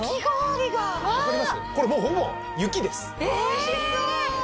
おいしそう。